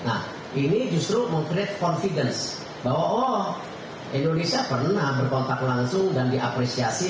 nah ini justru membuat kepercayaan bahwa indonesia pernah berkontak langsung dan diapresiasi